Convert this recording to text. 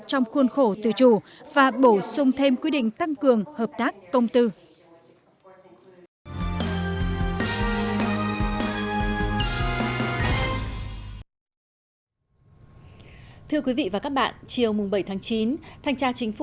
trong khuôn khổ tự chủ và bổ sung